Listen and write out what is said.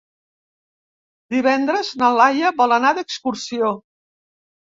Divendres na Laia vol anar d'excursió.